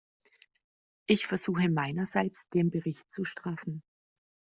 Ich versuche meinerseits, den Bericht zu straffen.